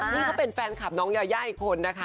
นี่เขาเป็นแฟนคลับน้องยายาอีกคนนะคะ